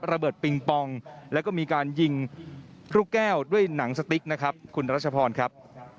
ปิงปองแล้วก็มีการยิงลูกแก้วด้วยหนังสติ๊กนะครับคุณรัชพรครับ